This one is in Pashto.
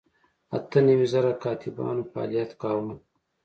اته نوي زره کاتبانو فعالیت کاوه.